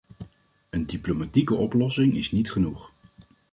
Een diplomatieke oplossing is niet genoeg.